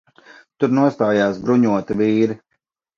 Tur nostājās bruņoti vīri.